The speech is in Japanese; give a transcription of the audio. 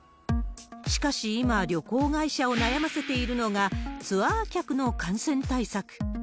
しかし今、旅行会社を悩ませているのが、ツアー客の感染対策。